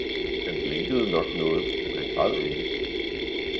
Han blinkede nok noget, men han græd ikke.